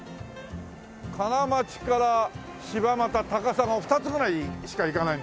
金町から柴又高砂２つぐらいしか行かないんですよ